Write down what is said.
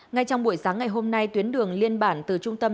ngay trong buổi sáng ngày hôm nay tuyến đường liên bản từ trung tâm